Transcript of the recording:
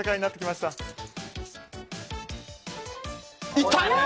いった！